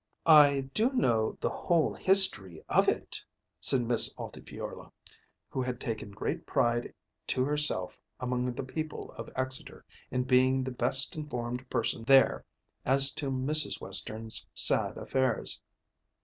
"I do know the whole history of it," said Miss Altifiorla, who had taken great pride to herself among the people of Exeter in being the best informed person there as to Mrs. Western's sad affairs.